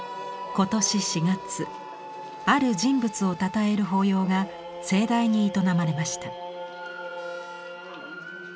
今年４月ある人物をたたえる法要が盛大に営まれました。